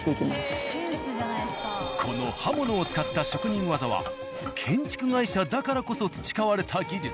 この刃物を使った職人技は建築会社だからこそ培われた技術。